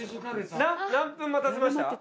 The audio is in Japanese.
何分待たせました？